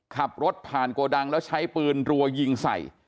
ขับรถผ่านโกดังแล้วใช้ปืนรัวยิงใส่